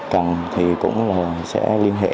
cần thì cũng sẽ liên hệ